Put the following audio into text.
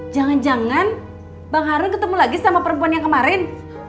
jangan jangan bang harun ketemu lagi sama perempuan yang kemarin